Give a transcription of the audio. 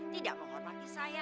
tidak menghormati saya